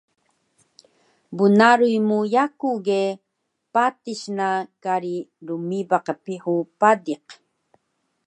Bnaruy mu yaku ge patis na kari rmibaq Pihu Padiq